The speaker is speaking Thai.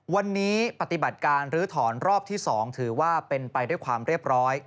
วันนี้ปฏิบัติการลื้อถอนรอบที่๒ถือว่าเป็นไปด้วยความเรียบร้อย